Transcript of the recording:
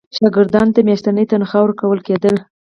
شاګردانو ته میاشتنی تنخوا ورکول کېدله.